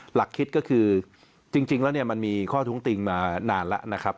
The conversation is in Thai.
หลักคิดก็คือจริงแล้วเนี่ยมันมีข้อท้วงติงมานานแล้วนะครับ